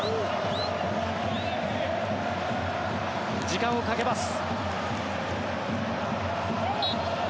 時間をかけます。